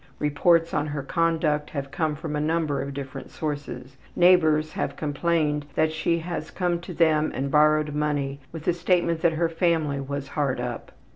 Reports on her conduct have come from a number of different sources. Neighbors have complained that she has come to them and borrowed money with the statement that her family was hard up.